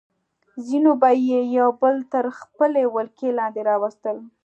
ځینو به یې یو بل تر خپلې ولکې لاندې راوستل.